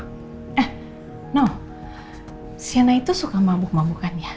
eh no si ana itu suka mabuk mabukan ya